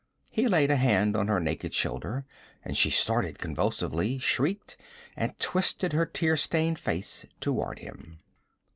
He laid a hand on her naked shoulder and she started convulsively, shrieked, and twisted her tear stained face toward him.